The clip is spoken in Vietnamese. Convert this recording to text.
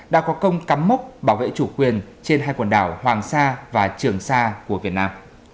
đã có công cắm mốc bảo vệ chủ quyền trên hai quần đảo hoàng sa và trường sa của việt nam